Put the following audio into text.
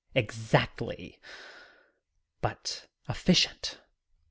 Exactly. But efficient.